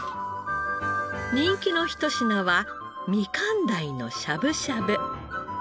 人気のひと品はみかん鯛のしゃぶしゃぶ。